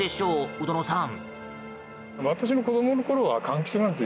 鵜殿さん？